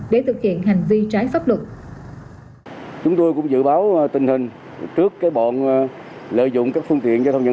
để thực hiện hành vi trái pháp luật